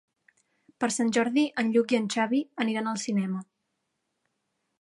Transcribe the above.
Per Sant Jordi en Lluc i en Xavi aniran al cinema.